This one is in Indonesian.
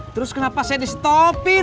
terus kenapa saya di stopin